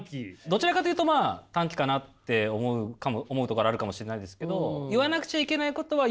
どちらかというとまあ短気かなって思うところがあるかもしれないですけど。